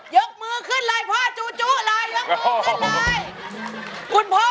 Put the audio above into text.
ยกมือขึ้นเลยพ่อจูจุเลยยกมือขึ้นเลยคุณพ่อ